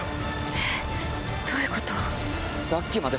えっどういうこと？